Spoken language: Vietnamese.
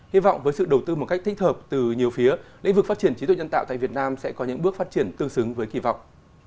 hy vọng với sự đầu tư một cách thích hợp từ nhiều phía lĩnh vực phát triển trí tuệ nhân tạo tại việt nam sẽ có những bước phát triển tương xứng với kỳ vọng